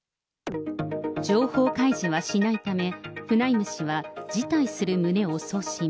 情報開示はしないため、フナイム氏は辞退する旨を送信。